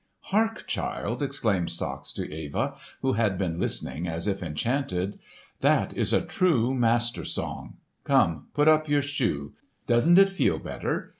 "Hark, child!" exclaimed Sachs to Eva, who had been listening as if enchanted. "That is a true Master Song! Come, put on your shoe! Doesn't it feel better?